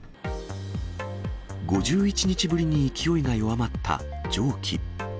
５１日ぶりに勢いが弱まった蒸気。